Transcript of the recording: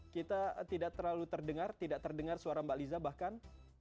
kita tidak terlalu terdengar tidak terdengar suara mbak liza bahkan